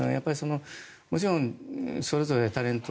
もちろんそれぞれタレント